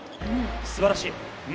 素晴らしい。